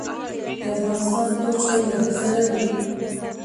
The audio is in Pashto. د افغانستان تور چای له هل سره وي